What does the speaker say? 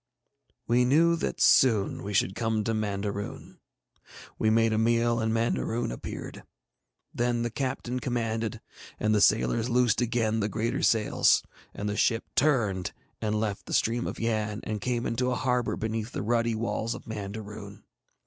We knew that soon we should come to Mandaroon. We made a meal, and Mandaroon appeared. Then the captain commanded, and the sailors loosed again the greater sails, and the ship turned and left the stream of Yann and came into a harbour beneath the ruddy walls of Mandaroon.